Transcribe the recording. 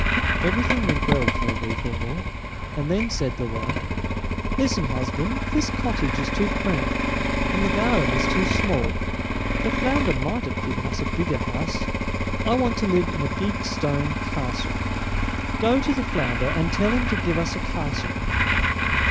Everything went well for a week or more, and then said the wife: "Listen, husband; this cottage is too cramped, and the garden is too small. The flounder might have given us a bigger house. I want to live in a big stone castle. Go to the flounder, and tell him to give us a castle."